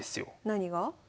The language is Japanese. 何が？